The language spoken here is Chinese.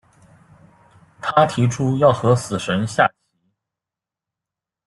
他提出要和死神下棋。